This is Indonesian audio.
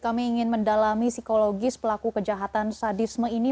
kami ingin mendalami psikologis pelaku kejahatan sadisme ini